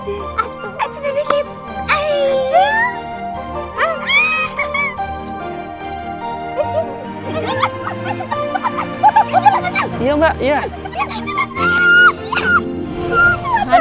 ya enggak ya